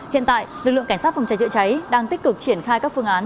hiện tại lực lượng cảnh sát phòng cháy chữa cháy đang tích cực triển khai các phương án